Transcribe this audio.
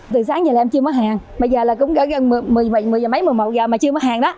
từ sáng giờ em chưa mở hàng bây giờ là cũng gần mười mấy mười mấy mười một giờ mà chưa mở hàng đó